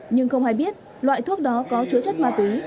nhưng không ai biết loại thuốc đó có chứa chất ma túy